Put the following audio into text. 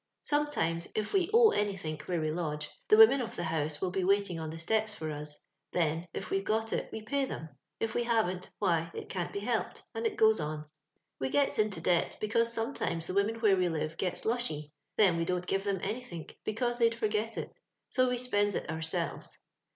Sometimes, if we owe anythink where we lodge, the women of the house will be waiting on the steps for us : then, if we've got it, we pay them ; if we havent, why it can't be helped, audit goes on. We gets into debt, because sometimes the women where we live sets lushy ; then we don't give them anythink, because they'd forget it, so we spends it our selves.